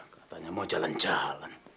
katanya mau jalan jalan